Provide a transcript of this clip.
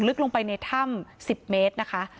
ลึกลงไปในถ้ำ๑๐เมตรนะคะ